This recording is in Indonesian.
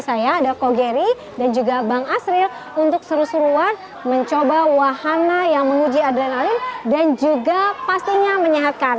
saya ada kogeri dan juga bang asril untuk seru seruan mencoba wahana yang menguji adrenalin dan juga pastinya menyehatkan